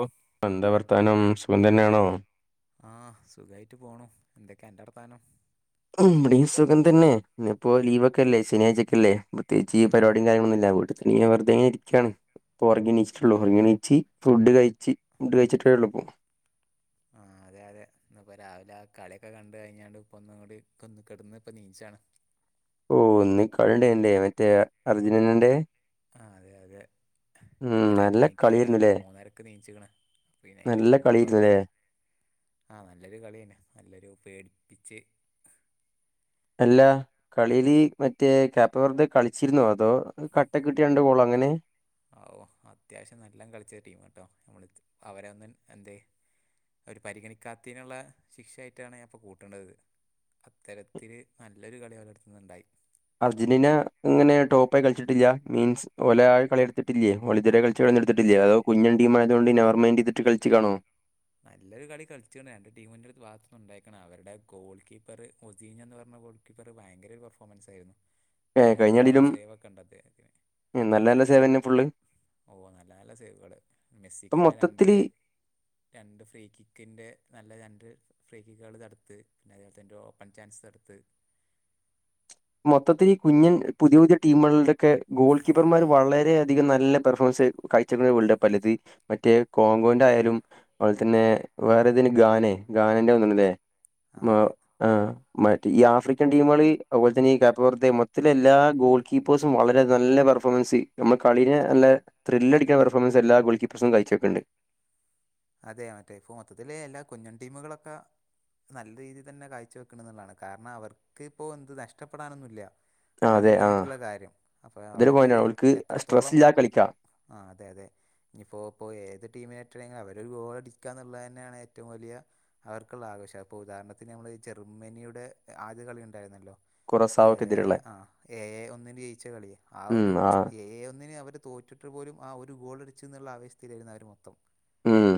ഓ എന്താ വർത്താനം സുഖം. തന്നെയാണോ ആഹ് സുഖായിട്ട് പോണു എന്തൊക്കെയ ന്റെർത്താനം ഉ ഇവിടീം സുഖം തന്നെ ഇപ്പോ ലീവ്ക്കെല്ലേ ശനിയാഴ്ച്ച ക്കെല്ലേ. പ്രത്യേകിച്ച്ഈ ഉം പരിപാടിം കാര്യങ്ങളൊന്നില്ല വീട്ടിത്തന്നെ ങ്ങനെ വെറുതേങ്ങനെ ഇരിക്കുവാണ്. ഇപ്പൊറങ്ങിണീച്ചിട്ടുള്ളൂ ഉറങ്ങി എണീച്ച് ഫുഡ് കഴിച്ച് ഫുഡ് കഴിച്ചിട്ടേ ഉള്ളൂപ്പൊ ആ അതെ അതെ ഇന്നിപ്പൊ രാവിലെ ആ കളിയൊക്കെ കണ്ട് കഴിഞ്ഞാണ്ട് ഇപ്പ ഒന്നും കൂടി കെട ന്ന് ഇപ്പനീചതാണ്. ഓ ഒന്ന് കളിയണ്ടേ മറ്റേ അർജന്റീന ന്റെ. ആ അതെ അതെ ഉം ഇപ്പൊ നല്ല രണ്ടണിക്ക് അല്ല കളിയായിരുന്നുല്ലേ മൂന്നരൊക്കെ ണീ ച്ചിക്കണ്. പിന്നെ അതിന്റെ നല്ല ശനിപ്പ കളിയായിരുന്നുല്ലേ ആഹ നല്ലൊരു കളി തന്നെ നല്ലൊരു പേടിപ്പിച്ച്. അല്ല കളിൽ മറ്റേ കാക്പ്പ വെറുതെ കളിച്ചിരുന്നോ അ. അതൊ കട്ടക്ക കിട്ട രണ്ട് ഗോള അങ്ങനെ. ഓ അത്യാവശ്യം നല്ലാം കളിച്ച ടീം മാ ട്ടോ നമ്മൾ അവരെ ഒന്ന് എന്തേ. അവര് പരിഗണിക്കാത്തതിനുള്ള ശിക്ഷയായിട്ടാണ് ഞാൻ ഇപ്പ കൂട്ട ണത്. അത്തരത്തില് നല്ലൊരു കളി അവരടുത്ത്ന്നുണ്ടായി അർജന്റീന ഇങ്ങനെ ടോപ്പായി കളിച്ചിട്ടില്ല മീൻസ് ഓലആ കളി എടുത്തിട്ടില്ലേ ഓല് ഇതുവരെ കളിച്ച കളി എടുത്തിട്ടില്ലെ അതോ കുഞ്ഞ ടീംമായതൊണ്ട്നെവർമൈൻ്ട്ട് കളിച്ചു കാണോ. നല്ലൊരു കളി കളിച്ചിട്ടണ്ട് രണ്ട് ടീമിന്റെറെ ഒരു ഭാഗത്തുന്ന് ഉണ്ടായിക്കണം അവരുടെ ഗോൾ കീപ്പർ ഒസീൻ എന്ന് പറഞ്ഞ ഗോൾ - കീപ്പറ് ഭയങ്കര ഒരു പെർഫോമൻസ് ആയിരുന്നു. ആ ഏഹ് എട്ടോളം കഴിഞ്ഞടിയിലും സേവ് ഒക്കെണ്ടേ അദ്ദേഹത്തിന്. നല്ല നല്ല സേവന്നെ ഫുള്ള് ഓ നല്ല നല്ല സേവകൾ ഇപ്പം മെസ്സിക്കന്നെ രണ്ട്. മൊത്തത്തില് രണ്ട് ഫ്രീ കിക്കിന്റെ നല്ല രണ്ട്. ഫ്രേക്കുകൾ തടുത്ത് പിന്നെ അതേപോലെൻ്റെ ഓപ്പൺ ചാൻസെ ടുത്ത്. മൊത്തത്തിൽ ഈ കുഞ്ഞൻ പുതിയ പുതിയ ടീമുകളുടെ. ക്കെ ഗോൾ കീപ്പർമാർ വളരെ അധികം നല്ല പെർഫോമൻസ് കാഴ്ച്ച വെക്കുന്നവേൾഡ് കപ്പാ അല്ലത്. മറ്റേ കോങ്കൗണ്ട് ആയാലും അതുപോലെ തന്നെ വേറെതിന് ഗാനെ ഗാനന്റെ ആണല്ലേ. ആ മ അതെ ആ മറ്റേ ഈ ആഫ്രിക്കൻ ടീമുകള്. അതുപോലെ തന്നെ ഈ കാപ്പവർത്തെ മൊത്തത്തില് എല്ലാ ഗോൾ കീപ്പേഴ്സും വളരെ നല്ല പെർഫോമൻസ് നമ്മ കളിനെ നല്ല. ത്രില്ല് അടിക്കാ പെഫോമൻസ് എല്ലാ ഗോൾ കീപ്പേഴ്സും കഴ്ച്ചോക്കുണ്ട് അതെ അതെ ഇപ്പൊ മൊത്തത്തില് എല്ലാ കുഞ്ഞൻ ടീമുകളൊക്ക. നല്ല രീതിയിൽ തന്നെ കാഴ്ച്ച വെക്കണന്നുള്ളതാണ് കാരണം അവർക്ക് ഇപ്പോൾ എന്ത് നഷ്ട്ട പ്പെടാനൊന്നുന്നില്ല്യ. ആഹ് അതാണ് അതെ മെയിൻ ആഹ് ആയിട്ടുള്ള കാര്യം അപ്പൊ അതൊരു അവർക്ക് പോയിന്റാണ് ഓൽക്ക് എത്രത്തോളം. സ്ട്രെസ്സില്ലാതെ കളിക്കാ ആ അതെ അതെ ഇനിയിപ്പോപ്പൊ ഏത് ടീമിനായിട്ടണെങ്കി ലും അവ ഒരു ഗോൾടിക്കുക എന്നുള്ളത് ന്നെയാണ് ഏറ്റവും വലിയ അവർക്കുള്ള ആഘോഷ അപ്പോൾ ഉദാഹരണത്തിന് നമ്മൾ ജർമ്മനിയുടെ ആദ്യ കളി ഉണ്ടായിരുന്നല്ലോ. കുറസ ആ എ എ ഒന്നിന് ജയിച്ച കളിയാ ആ ഉം ഒരു ആഹ് എ എ ഒന്നിന് അവർ തോറ്റി ട്ടു പോലും ആ ഒരു ഗോൾ അടിച്ചെ ന്നുള്ള അവേശത്തിയിലായിരുന്നു അവർ മൊത്തം. ഉം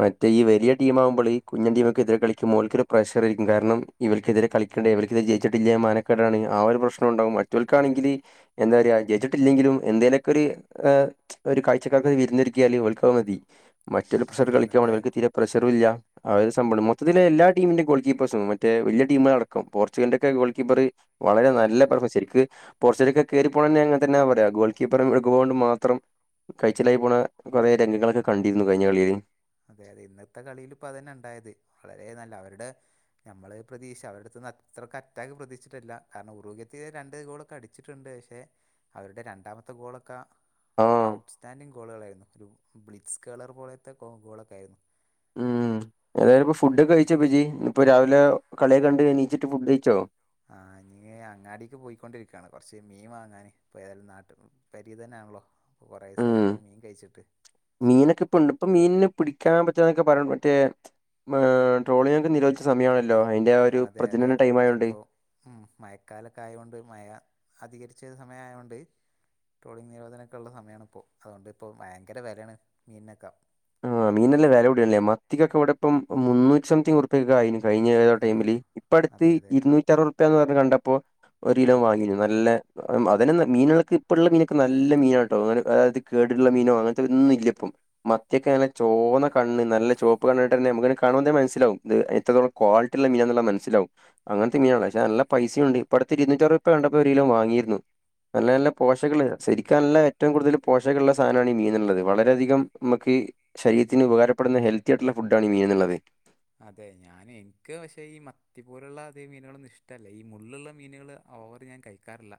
മറ്റേ ഈ വലിയ ടീം ആവുമ്പോൾ കുഞ്ഞൻ ടീം. എതിരെ കളിക്കുമ്പോൾ ഓർ ൽക്കതു പ്രഷർരിക്കും കാരണം ഇ വർക്കെതിരെ കളിക്കണ്ട ഇവർക്കെതിരെ ജയിച്ചിട്ടില്ലേ മാന നക്കേടാണ് ആ ഒരു പ്രശ്നം ഉണ്ടാകും ഉം മറ്റവർക്കാണെങ്കില്. എന്താ പറയുക ജയിച്ചിട്ടില്ലെങ്കിലും എന്തേലൊക്കെ ഒര്. ഒരു കാഴ്ച്ച കാർക്ക് വിരുന്നൊ രിക്കിയാല് ഓൽക്ക് അത് മതി മറ്റൊരു പ്രഷർ അതെ കളിക്കാ ഇന്നത്തെ ഓൽക്ക് തീരെ പ്രഷറും ഇല്ല. അതൊരു സംഭവംണ് മൊത്തിത്തില് എല്ലാ ടീമിന്റെ ഗോൾ കീപ്പേഴ്സ് മറ്റെ വലിയ ടീമ്അടക്കം പോർച്ചുഗലിന്റെ ഒക്കെ ഗോൾ കീപ്പറ്. വളരെ നല്ല ആ പ്രൊഫ ശെരിക്ക് പോർച്ചുഗലൊക്കെ കേറി പോണന്നെ അങ്ങൻ തന്നെ പറ്യാ ഗോൾ കീപ്പർ ഒര് ഗോളൊണ്ട് മാത്രം കയ്ച്ചിലായി പോണ കൊറെ രംഗങ്ങളൊക്കെ കണ്ടിര്ന്നു കഴിഞ്ഞ കളില് അതെ യതെ ഇന്നത്തെ കളില് പ്പ തെന്നെ ണ്ടായത് വളരെ നല്ല അവരുടെ നമ്മളെ പ്രതീക്ഷ അവരെട്ത്ത്ന്ന് അത്രക്കറ്റാക്ക് പ്രതീക്ഷിട്ടില്ല കാരണം ഉറുക്യത്തി രണ്ട് ഗോളൊക്കെ അടി ച്ചിട്ട് ണ്ട് പക്ഷെ അവരുടെ രണ്ടാമത്തെ ഗോളൊക്ക ആ ഔട്ട് സ്റ്റാൻഡിങ് ഗോളുകളായിരുന്നു ഒരു ബ്ലിക്സ് കേളർ പോലത്തെ കോ ഗോളൊക്കായിരുന്നു. ഉം ഏതായാലുപ്പം ഫുഡൊക്കെ കഴിച്ചോ പ്പ ജ് ഇപ്പോ രാവിലെ കള്യൊക്കെ കണ്ട് എന്നിച്ചിട്ട് ഫുഡ്യ്ച്ചോ? ആഹ് ഞി അങ്ങാടിക്ക് പോയിക്കൊണ്ടിരിക്കാണ് കൊർച്ച് മീൻ വാങ്ങാന് ഇപ്പ ഏതായാലും നാട്ട് പേരെ തെന്നാണല്ലോ പ്പൊ കുറെ സായി ഉം പ്പൊ മീൻ കയ്ച്ചിട്ട്. മീനൊക്കെ പ്പ ഇണ്ട് ഇപ്പൊ മീൻനെ പിടിക്കാൻ പറ്റാന്നൊക്കെ പറീണ്ട് മറ്റേ ഏഹ് ട്രോളിംഗൊക്കെ നിരോധിച്ച സമയാണല്ലോ അയ്ന്റെ ആ ഒരു പ്രജനന ടൈം മായോണ്ട് ഉം മഴക്കാലൊക്കായോണ്ട് മയ അധികരിച്ച സമയായോണ്ട് ട്രോളിംഗ് നിരോധക്കെള്ള സമയാണ് പ്പോ അതോണ്ട് പ്പൊ ഭയങ്കര വെലെണ് മീൻനൊക്കെ ആഹ് മീനിന് നല്ല വെല കൂടിണ് ല്ലെ മത്തിക്കൊക്കെ ഇവടെപ്പം മൂന്നൂറ്റി സംതിങ് ഉറുപ്യൊക്കായിന് കഴിഞ്ഞ ഏതോ ആ ടൈമില് ഇപ്പട്ത്ത് അതെ അതെ ഇരുന്നൂറ്റി അറുവർപ്യ ന്ന് പർഞ്ഞ് കണ്ടപ്പോ ഒരിലോ വാങ്ങിണ് നല്ല അതെനെന്ന മീനുകൾക്ക് ഇപ്പള്ള മീനൊക്കെ നല്ല മീനാട്ടോ [unintelligible] അത് കേട്ള്ള മീനോ അങ്ങൻത്തൊന്നുല്ല പ്പം മത്ത്യൊക്കെങ്ങനെ ചോന്ന കണ്ണ് നല്ല ചുവപ്പ് കണ്ട്ട്ടെന്നെ അമ്മക്ക് [unintelligible] കാണുമ്പോ തന്നെ മൻസ്സിലാവും ഇത് എത്രത്തോളം ക്വാളിറ്റിള്ളെ മീനാന്ന്ള്ളെ മൻസിലാവും അങ്ങൻ ത്തെ മീനാണ് പക്ഷെ നല്ല പൈസ്യുണ്ട് ഇപ്പട്ത്ത് ഇരുന്നൂറ്റ്യരുവർപ്യ കണ്ടപ്പോ ഒരിലോ വാങ്ങീര്ന്നു. നല്ല നല്ല പോഷക ല്ലേ ശെരിക്കും നല്ല ഏറ്റവും കൂടുതൽ പോഷകള്ള സാനാണ് ഈ മീനന്ള്ളത് വളരെയധികം [unintelligible] ക്ക് ശരീരത്തിന് ഉപകാരപ്പെടുന്ന ഹെൽത്തിയായിട്ടുള്ള ഫുഡാണ് ഈ മീനന്ന്ള്ളത്. അതെ ഞാനിൻക്ക് പക്ഷെ ഈ മത്തി പോലുള്ള അതേ മീനുകളൊന്നും ഇഷ്ടല്ല ഈ മുള്ള് ള്ള മീനുകള് ഓവറ് ഞാൻ കഴിക്കാറില്ല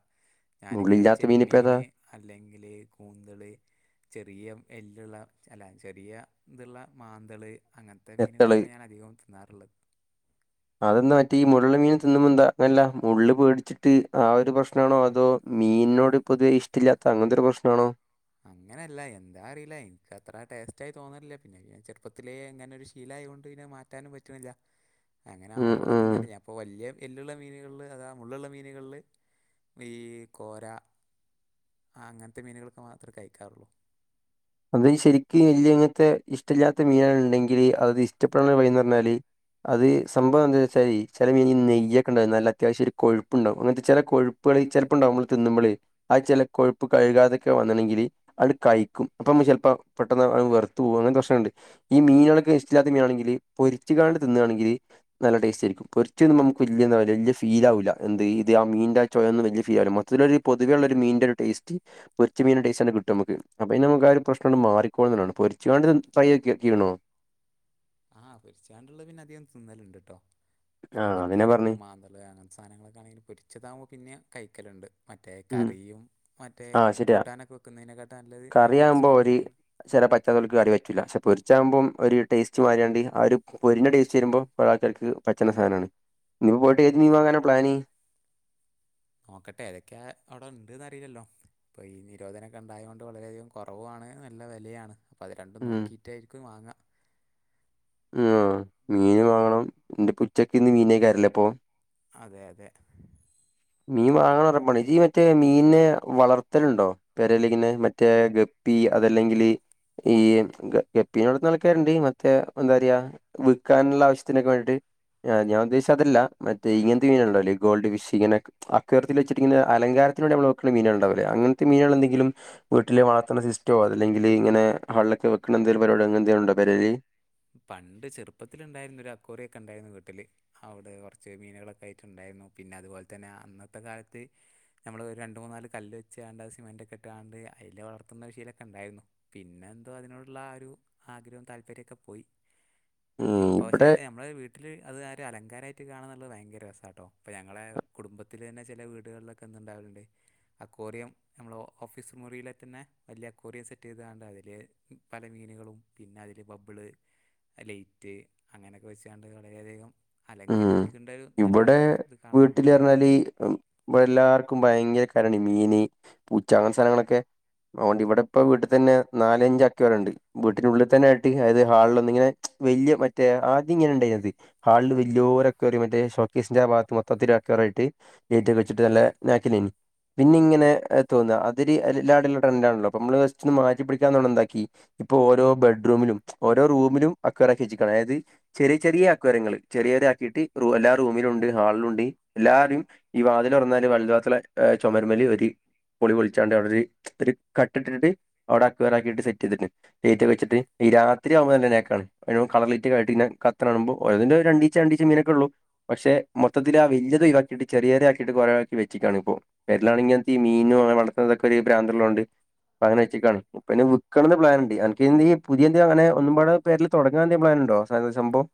ഞാനിങ്ങനെ മുള്ളില്ലാത്ത മീനിപ്പോ ഏതാ ചെമ്മീന് അല്ലെങ്കില് കൂന്തള് ചെറിയ എല്ല്ള്ള അല്ല ചെറിയ ത്ള്ളെ മാന്തള് അങ്ങൻ ത്തെ നെത്തള് മീനുകളൊക്കെണ് ഞാൻ അധികവും തിന്നാറ്ള്ളത്. അതെന്താ മറ്റേ ഈ മുള്ള് മീൻ തിന്നുമ്പോ എന്താ വല്ല മുള്ള് പേടിച്ചിട്ട് ആ ഒര് പ്രശ്നാണോ അതോ മീനിനോട് പൊതുവെ ഇഷ്ട്ടല്ലാത്ത അങ്ങൻത്തൊരു പ്രശ്നാണോ? അങ്ങനല്ല എന്താ അറീല്ല ഇൻക്ക് അത്ര ടെസ്റ്റായി തോന്നലില്ല പിന്നെ ഞാ ചെറുപ്പത്തിലെ അങ്ങനൊരു ശീ ശീലായോണ്ട് പിന്നെത് മാറ്റാനും പറ്റ്ണ്ല്ല അങ്ങനെ ഉം ഓവർ ഉം തിന്നാണ്ട് ഞാ പ്പൊ വെല്ല്യെ എല്ല്ള്ള മീനുകളില് അതാ മുള്ളുള്ള മീനുകളില് ഈ കോര ആഹ് അങ്ങൻത്തെ മീനുകളൊക്കെ മാത്രേ കഴിക്കാറൊള്ളൂ. അന്ന ജ് ശെരിക്ക് [unintelligible] അങ്ങൻത്തെ ഇഷ്ടല്ലാത്ത മീനാണ് ണ്ടെങ്കില് അത് ഇഷ്ടപ്പെടാനുള്ള വഴി ന്നർഞ്ഞാല് അത് സംഭവം എന്താന്ന് വെച്ചാല് ചെല മീന നെയ്യൊക്കെണ്ടാവും നല്ല അത്യാവശ്യൊര് കൊഴ്പ്പ്ണ്ടാവും അങ്ങൻത്തെ ചെല കൊഴു പ്പള് ചെലപ്പണ്ടാവും അമ്മള് തിന്നുമ്പള് അത് ചെല കൊഴുപ്പ് കഴുകാതെക്കെ വന്ന്ണെങ്കില് ആണ്ട് കയ്യ്ക്കും അപ്പമ്മക്ക് ചെല് പ്പ പെട്ടെന്ന് അത് വെർത്ത് പോവും അങ്ങൻ പ്രശ്നണ്ട് ഈ ഉം. മീനളൊക്കെ ഇഷ് ടല്ലാത്ത മീനാണെങ്കില് പൊര്‌ച്ച്ഗാണ്ട് തിന്നാണെങ്കില് നല്ല ടേസ്റ്റായിരിക്കും പൊരിച്ച് തിന്നുമ്പോ നമ്മക്ക് വെല്ല്യെ താവൂല വെല്ല്യ ഫീലാവൂല്ല എന്ത് ഇത് ആ മീൻ്റാ ചോയൊന്നും വെല്യ ഫീലാവൂല്ല മൊ ത്തിലൊര് പൊതുവേ ള്ളൊര് മീൻ്റൊരു ടേസ്റ്റ് പൊരിച്ച മീന്റെ ടേസ്റ്റാണ്ട് കിട്ട്വമ്മക്ക് അപ്പയ്ൻ്റെ പാട് പ്രശ്‌നണ്ട് മാറിക്കോളും [unintelligible] പോര്ച്ച് ങ്ങാണ്ട് തിൻ ഫ്രൈയാക്കി [unintelligible] ആഹ് പൊര്ച്ച്ങ്ങാണ്ട് ള്ളെ പിന്നെ അധികം തിന്നല്ണ്ട്ട്ടോ ഇപ്പൊ ആഹ് അതന്നെ പറഞ്ഞ് മത്ത്യാണെങ്കിലും മാന്തള് അങ്ങൻ സാനങ്ങളക്കെണെങ്കിലും പൊര്ച്ചതാവുമ്പോ പിന്നിം കയ്ക്കല്ണ്ട്. മറ്റേ ഉം കറിയും മറ്റേ ആഹ് ശരിയാ കൂട്ടാനൊക്കെ വയ്ക്കുന്നയ്നേ കാട്ടെ നല്ലത് ഞാൻ പൊരിച്ച്കാണ്ട് കഴിക്കു [unintelligible] ചെല പറ്റാത്തോല്ക്ക് കാറി പറ്റൂല ക്ഷെ പൊരിച്ചാവുമ്പം ഒര് ടേസ്റ്റ് മാറ്യാണ്ട് ആ ഒര് പൊരിഞ്ഞ ടേസ്റ്റ് വെരുമ്പം കൊറേ ആൾക്കാർക്ക് പറ്റ്ണ സാനാണ് നീ പോയിട്ട് ഏത് മീൻ വാങ്ങാനാണ് പ്ലാന്. നോക്കട്ടെ ഏതൊക്കെ അവടെണ്ട്ന്നറില്ലല്ലോ. ഇപ്പൊ ഈ നിരോധനക്കെണ്ടായോണ്ട് വളരെയധികം കൊറവാണ് നല്ല വെലയാണ്. അപ്പം അത് രണ്ടും ഉം നോക്കിട്ടായിരിക്കും വാങ്ങാ. ആഹ് മീന് വാങ്ങണം ഇന്ന് പ്പ ഉച്ചക്ക് ഇന്ന് മീനേകരല്ലപ്പോ അതെ യതെ [unintelligible] മറ്റേ മീൻനെ വളർത്തലുണ്ടോ? പെരീല്ങ്ങനെ മറ്റേ ഗപ്പി അതല്ലെങ്കില് ഈ ഗപ്പിനെ വളർത്ത്ണെ ആൾക്കാര്ണ്ട് മറ്റേ എന്താ അരിയാ വിക്കാന്ള്ളെ ആവശ്യത്തിനൊക്കെ വേണ്ടിട്ട് ആഹ് ഞാനുദ്ദേശിചേ അതല്ല മറ്റേ ഇങ്ങൻത്തെ മീനുണ്ടല്ലോ ഈ ഗോൾഡ് ഫിഷ്ങ്ങനെ അക്വേറിയത്തില് വച്ചിരിക്കുന്ന അലങ്കാരത്തിനു വേണ്ടി നമ്മള് വെക്ണ മീനുകൾണ്ടാവില്ലേ അങ്ങൻത്തെ മീനുകളെന്തെങ്കിലും വീട്ടില് വളർത്ണ സിസ്റ്റോ അല്ലെങ്കില് ഇങ്ങനെ വെള്ളത്തില് വെക്കുന്ന എന്തേലും പരിപാടി എന്തേലു ഉണ്ടോ പെരേല് പണ്ട് ചെർപ്പത്തിലുണ്ടായിരുന്നു ഒരു അക്വേറിയോക്കെ ഇണ്ടായിരുന്നു വീട്ടില് അവിടെ കോർച്ച് മീനുകളൊക്കെ ആയിട്ട് ഇണ്ടായിന്നു പിന്നെ അതു പോലെ തന്നെ അന്നത്തെ കാലത്ത് നമ്മള് രണ്ടു മൂന്നാല് കല്ലുവെച്ചാണ്ട് അത് സിമെന്റൊക്കെ ഇട്ട്ക്കാണ്ട് അയ്ല് വളർത്തുന്നൊരു ശീലോക്കെ ഉണ്ടായിരുന്നു. പിന്നെ എന്തോ അതിനോടുള്ള ആഹ് ഒരു ആഗ്രഹവും താല്പര്യക്കെ പോയി ഉം ഇപ്പ പക്ഷേ ഇവിടെ നമ്മളെ വീ ട്ട്ല് അത് അതൊരു അലങ്കാരായിട്ട് കാണാൻ കാണാം നല്ല ഭയങ്കര രസാട്ടോ ഇപ്പ ഞങ്ങളെ കുടുംബത്തില് തന്നെ ചേല വീടുകൾ ക്ക്ന്ന്ണ്ടാവല്ണ്ടേ അക്വേറിയം നമ്മടെ ഓഫീസ്മുറിയിലെ തന്നെ വല്ല്യേ അക്വേറിയം സെറ്റ് ചെയ്താണ്ടതില് പല മീനുകളും പിന്നെ അതില് ബബ്ള് ലൈറ്റ് അങ്ങനെക്കെ വെച്ചാണ്ട് വളരെ അധികം ഉം ഇവിടെ ഇത് കാണലുണ്ട് വീട്ടിലർഞ്ഞാല് ഇപ്പ എല്ലാർക്കും ഭയങ്കര കര്ണ മീന്, പൂച്ച, അങ്ങൻത്തെ സാനങ്ങളൊക്കെ അതു കൊണ്ട് ഇവിടെ ഇപ്പോ വീട്ട് തന്നെ നാലഞ്ച് അക്വേറിയം ഇണ്ട് വീട്ടിനുള്ളിൽ തന്നെ ആയിട്ട് അതായത് ഹാളിലൊന്നിങ്ങനെ വെല്ല്യേ മറ്റേ ആദ്യം ഇങ്ങനെ ഇണ്ടായത് ഹാളിൽ വെ വെല്ല്യോര് അക്വേറിയം മറ്റേ ഷോക്കേസിന്റെ ആഭാഗത്ത് മൊത്തത്തില് അക്വേറിയായിട്ട് ലൈറ്റോക്കെ വച്ചിട്ട് നല്ല നെക്കിലെനി പിന്നെ ഇങ്ങനെ തോന്നാ അതിര് [unintelligible] നമ്മള് ജെസ്റ്റ് ഒന്ന് മാറ്റി പിടിക്കാ ഇണ്ടാക്കി ഇപ്പൊ ഓരോ ബെഡ്റൂമിലും, ഓരോ റൂമിലും അക്വേറിയം ആക്കി വെച്ച്ക്കാണ് അതായത് ചെറിയ ചെറിയ അക്വേറിയങ്ങള് ചെറിയതാക്കിട്ട് എല്ലാ റൂമിലുണ്ട്, ഹാള്ളും ഇണ്ട്, എല്ലാരിം ഈ വാതില് തോർന്നാല് വൽത് വാത്ല്ലെ ചുമര്മ്മെല് ഒര് പൊളി പൊളിച്ചാണ്ട് അവിടെ ഒര് ഒരു കട്ടിട്ടിരിരി അവിടെ അക്വേറിയമാക്കി സെറ്റ് യ്ത്ണ്ട് ഗേറ്റുവെച്ചിട്ട് ഈ രാത്രി ആവുപോനെക്കാൾ [unintelligible] കളർലൈറ്റായിട്ടിങ്ങനെ കത്ത്ണത് കാണുമ്പോ ഓരോന്നിന്റെ ഒരു രണ്ടിചേ രണ്ടിചേങ്ങനെക്കെയോള്ളൂ പക്ഷേ മൊത്തത്തില് വെല്ല്യാത് ഒഴിവാക്കിട്ട് ചെറിയത് ആക്കിട്ട് കൊളാക്കി വെച്ചിക്കണ് ഇപ്പോ വീട്ടിലാണെങ്കി തിമീനും വളർത്തുന്നതൊക്കെ ഒരു ഭ്രാന്തുള്ളത് കൊണ്ട് അങ്ങനെ വെച്ചേക്കാ പിന്നെ വിക്ണെത് പ്ലാന്ണ്ട് അൻക്കെന്തിയെ പുതിയ എന്തേം അങ്ങനെ ഒന്നുബാടെ പേരിൽ തുടങ്ങാൻ എന്തേലും പ്ലാനുണ്ടോ സനോ സഭംവം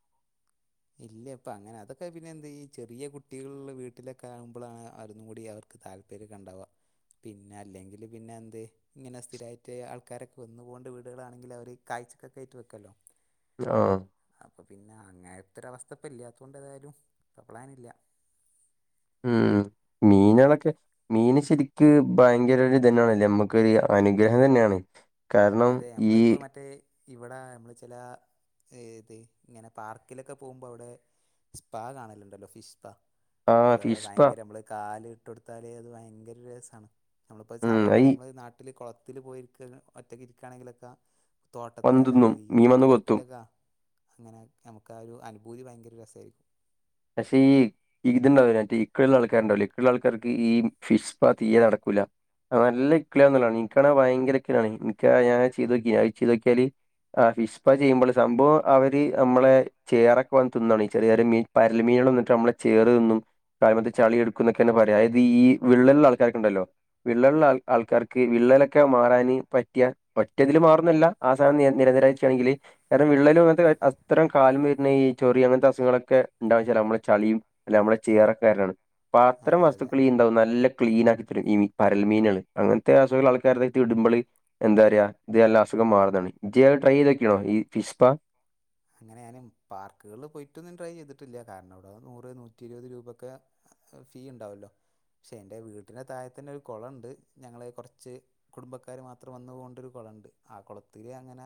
ഇല്ല പ്പ അങ്ങനെ അതൊക്കെ പിന്നെ എന്തായീ ചെറിയ കുട്ടികളുളള വീട്ടിലൊക്കെ ആകുമ്പളാണ് അവരൊന്നും കൂടി അവർ താല്പര്യക്കെണ്ടാവാ പിന്നെ അല്ലെങ്കില് പിന്നെ എന്തേ ഇങ്ങനെ സ്ഥിരായിട്ട് ആൾക്കാരൊക്കെ വെന്ന് കൊണ്ട് വീടുകളാണെങ്കില് അവര് കാഴ്ചക്കൊക്കെയായിട്ട് വെക്കുല്ലോ ലോ അപ്പ പിന്നെ അങ്ങനെത്തെ ഒര് അവസ്ഥ പ്പം ഇല്ലാത്തതു കൊണ്ട് ഏതായാലും ഇപ്പ പ്ലാനില്ല ഉം മീനുകളൊക്കെ മീന് ശരിക്ക് ഭയങ്കര ഒര് തന്നെണ് നമ്മക്കൊരു അനുഗ്രഹം തന്നെണ് അതേ നമ്മള് പ്പോ മറ്റേ ഇവടെ നമ്മള് ചേലെ ഏത് ഇങ്ങനെ പാർക്കിലൊക്കെ പോകുമ്പോ അവിടെ സ്പാ കാണല്ണ്ടല്ലോ ഫിഷ് പാ ആ അഥവാ ഫിഷ്പ ഭയങ്കര അമ്മള് കാല് ഇട്ട് കൊടുത്താല് അത് ഭയങ്കര രസാണ് നമ്മള്പ്പോ ഉം സാധാ ഇപ്പോ അയി നമ്മള് നാട്ടില് കോളത്തില് പോയി ഒറ്റക്കിരിക്കാണെങ്കിലെക്കെ തോട്ടത്ത് വന്തിന്നും അല്ലയീ മീൻ വന്ന് കൊത്തും തോട്ടിലൊക്കെ അങ്ങനെ നമുക്കാ ഒരു അനുഭൂതി ഭയങ്കര രസായിരിക്കും പക്ഷേ ഈ ഇത് ണ്ടാവുലെ ഇക്കിളിള്ളെ ആൾക്കാരുണ്ടാവില്ലേ ഇക്കിളിള്ളെ ആൾക്കാർക്ക് ഈ ഫിഷ് പാ തീയെ നടക്കൂല നല്ലയിക്കിളിയാണ് എനിക്കാണേ ഭയങ്കര ഇക്കിളിയാണ് ഇൻക്ക ഞാനാണെങ്കി ചെയ്തോക്കി അഹ് ചെയ്തോക്കിയാല് ആഹ് ഫിഷ്പാ ചെയ്യുമ്പോള് സംഭവം അവര് നമ്മളെ ചേറൊക്കെൽത്ല് തിന്നാണ് ചെറിയ ചെറിയ മീൻ പര്ല് മീന്കളെ തിന്നിട്ട് നമ്മളെ ചേറ് തിന്നും കാല്‌മേ ഇത് ചളി എടുക്കൂന്നൊക്കെ ആണ് പറയാ. അതായത് ഈ വിള്ളലുള്ള ആൾക്കാരൊക്ക ഉണ്ടല്ലോ വിള്ളലുള്ള ആൾ ആൾക്കാർക്ക് വിള്ളലക്കെ മാറാന് പറ്റിയ ഒറ്റതില് മാറുംന്നല്ല ആ സാധനം നിയ നിരന്തരം വച്ചാണെങ്കില് കാരണം വിള്ളലും അത് ആയ് അസ്‌ത്രം കാലുമേ പിന്നയീ ചൊറി അങ്ങനത്ത അസുഖങ്ങളക്കെ ഉണ്ടാവ് ന്ന്ച്ചാല് നമ്മള് ചളിയും അല്ല നമ്മള ചേറക്കാരനാണ് അപ്പ അത്തരം അതെ അതെ വസ്തുക്കളീ ഉണ്ടാവും നല്ല ക്ലീൻ ആക്കി ഈ മീ പരൽമീനാണ് അങ്ങനത്തെ അസുഖങ്ങള് ആൾക്കാരെ ദേഹത്ത് ഇടുമ്പള് എന്താ പറയാ ഇതെല്ലാം അസുഖം മാറുന്നതാണ് ഇജ്ജ് ആ ട്രൈ ചെയ്തക്കണോ ഈ ഫിഷ് പാ അങ്ങനെ ഞാനും പാർക്കുകളില് പോയിട്ടൊന്നും ട്രൈ ചെയ്തിട്ടില്ല കാരണം അവിടെ നൂറ് നൂറ്റി ഇരുപത് രൂപ ഒക്കെ ഫീ ഉണ്ടാവല്ലോ പക്ഷേ എൻ്റെ വീട്ടിൻ്റെ താഴെ തന്നെ ഒരു കൊളം ഒണ്ട് ഞങ്ങള് കൊറച്ച് കുടുംബക്കാര് മാത്രം വന്നു പോണൊണ്ടൊരു കൊളം ഒണ്ട് ആ കൊളത്തില് അങ്ങന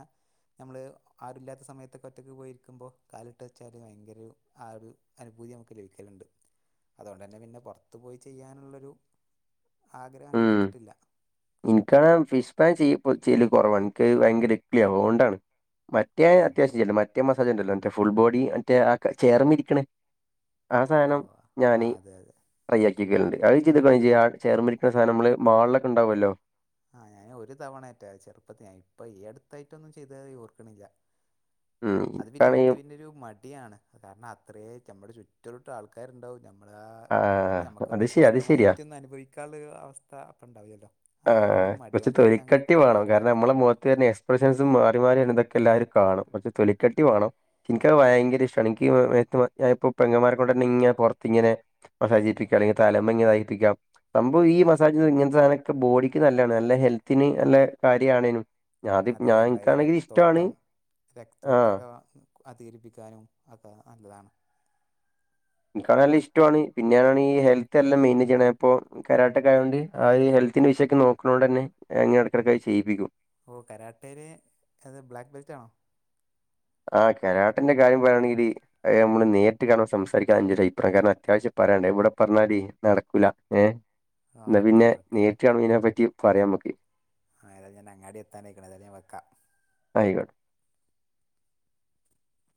ഞമ്മള് ആരുല്ലാത്ത സമയത്ത് ഒറ്റക്ക് ഒറ്റക്ക് പോയിരിക്കുമ്പോ കാലിട്ട് വെച്ചാല് ഭയങ്കര ആ ഒരു അനുഭൂതി നമുക്ക് ലഭിക്കലുണ്ട് അതോണ്ട് തന്നെ പിന്നെ പൊറത്ത് പോയി ചെയ്യാനുള്ളൊരു ആഗ്രഹം അങ്ങനെ വന്നിട്ടില്ല എനിക്കാണേ ഫിഷ് പാൻ ചെയ്യ്പ്പോ ചെയ്യല് കൊറവാണ്. എനിക്ക് ഭയങ്കര ഇക്ക്ളിയാവും അതോണ്ടാണ് മറ്റേ ഉം അത്യാവശ്യം ചെല്ലും മറ്റേ മസാജ് ഉണ്ടല്ലോ മറ്റേ ഫുൾ ബോഡി മറ്റേ ആ ക ചെയർമ്മേ ഇരിക്കണേ ആ ഓ സാധനം ആ ഞാന് അതെ അതെ ട്രൈ ആക്കിക്കണ്ട് അത് ചെയ്ത് [unintelligible] ചെയ്യാൻ ചേയർമ്മേ ഇരിക്കണ സാനം നമ്മള് മാളിലൊക്കെ ഉണ്ടാവുല്ലോ ആഹ് ഞാന് ഒരു തവണയറ്റാ ചെറുപ്പത്തി ഞാൻ ഇപ്പൊ ഈ അടുത്തായിറ്റൊന്നും ചെയ്തതായ് ഓർക്കണില്ല ഉം. അത് പിന്നെ എനിക്കാണെ എനിക്ക് പിന്നൊരു മടിയാണ് അത് കാരണം അത്രേ നമ്മുടെ ചുറ്റു ഒരൂട്ടം ആൾക്കാരുണ്ടാവും ഞമ് മ്മള ആ അത് നമ്മക്കൊന്ന് ശരിയാ അത് ശരിയാ. സ്വസ്ഥമായിട്ടൊന്ന് അനുഭവിക്കാള്ളൊരു അവസ്ഥ അപ്പ ഉണ്ടാവില്ലല്ലോ ആഹ് അതുകൊണ്ടുള്ളൊരു മടി കൊറച്ച് കൊണ്ട് ഞാൻ പിന്നെ അങ്ങനെ തൊലിക്കട്ടി വേണം പോകാറില്ല കാരണം നമ്മള മൊഖത്ത് വരണ എക്സ് എക്സ്പ്രഷൻസും മാറി മാറിയാണ് ഇതൊക്കെ എല്ലാരും കാണും പക്ഷെ തൊലിക്കട്ടി വേണം എനിക്കത് ഭയങ്കര ഇഷ്ടാണ് ഇനിക്കി മേത്ത് ഞാൻ ഇപ്പൊ പെങ്ങമാരെകൊണ്ടന്നെ ഇങ്ങന പൊറത്ത് ഇങ്ങനെ മസാജ് ചെയ്യിപ്പിക്കാം അല്ലെങ്കി തലമ്മേങ്ങനെതായിപ്പിക്കാം സംഭവം ഈ മസാജ് [unintelligible] ഇങ്ങനത്തെ സാധന ബോഡിക്ക് നല്ലേണ്. നല്ല ഹെൽത്തിന് നല്ല കാര്യ ആണേനും അതെ നമ്മള ഈ രക്തോട്ടം ആ രക്തോട്ടക്കെ വാ അധികരിപ്പിക്കാനും ഒക്കെ നല്ലതാണ് എനിക്കാണെ നല്ല ഇഷ്ടോണ് പിന്നേടാണ് ഈ ഹെൽത്ത് എല്ലാം മെയിൻ്റെയ്ൻ ചെയ്യണ ഞാൻ ഇപ്പോ കരാട്ടെക്കെ ആയോണ്ട് ആ ഒരു ഹെൽത്തിന്റെ വിഷയൊക്ക നോക്കണോണ്ട് തന്നെ [unintelligible] എടക്കെടക്ക് അത് ചെയ്യിപ്പിക്കും ഓ കരാട്ടേല് അത് ബ്ലാക്ക് ബെൽറ്റ് ആണോ ആഹ് കരാട്ടന്റെ കാര്യം പറയണെങ്കില് അത് നമ്മള് നേരിട്ട് കാണുമ്പാ സംസാരിക്കാൻ [unintelligible] കാരണം അത്യാവശ്യം പറയണ്ടേ ഇവ്ട പറഞ്ഞാല് നടക്കൂല ഏഹ് ആ ന്നാ ഓക്കെ പിന്നെ ഓക്കെ നേരിട്ട് കാണ്‌മ്പ ഇതിനപറ്റി പറയാം നമ്ക്ക് ആതാ ഞാൻ അങ്ങാടി എത്താനായിക്കണത് അല്ലേ ഞാ വെക്കാം ആയിക്കോട്ടെ